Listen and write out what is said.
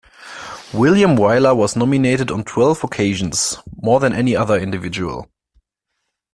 William Wyler was nominated on twelve occasions, more than any other individual.